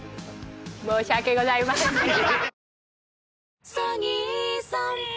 申し訳ございませんでした。